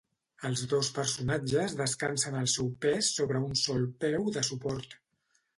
Els dos personatges descansen el seu pes sobre un sol peu de suport.